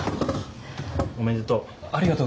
おめでとう。